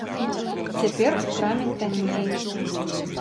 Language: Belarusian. Цяпер у краме танней.